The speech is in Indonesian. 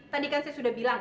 tadi kan saya sudah bilang